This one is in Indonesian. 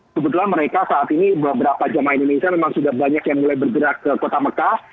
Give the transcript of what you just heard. kebetulan mereka saat ini beberapa jamaah indonesia memang sudah banyak yang mulai bergerak ke kota mekah